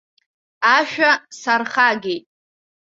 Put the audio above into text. Ашәа сархагеит.